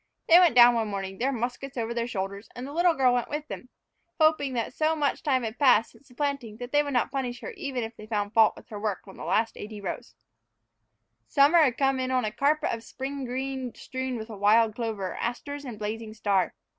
They went down one morning, their muskets over their shoulders, and the little girl went with them, hoping that so much time had passed since the planting that they would not punish her even if they found fault with her work on the last eighty rows. Summer had come in on a carpet of spring green strewn with wild clover, asters, and blazing star.